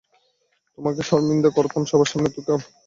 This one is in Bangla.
তোমাকে সরমিন্দা করতাম সবার সামনে, তোকে আমার মতোই গাইতে হবে কেন?